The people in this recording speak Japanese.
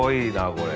これ。